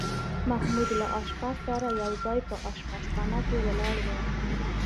محمود له اشپز سره یو ځای په اشپزخانه کې ولاړ و.